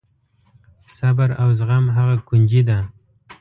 صبر او زغم هغه کونجي ده.